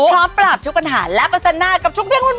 พร้อมปราบทุกปัญหาและประจันหน้ากับทุกเรื่องวุ่น